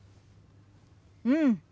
うん。